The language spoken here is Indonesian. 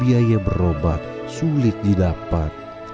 biaya berobat sulit didapat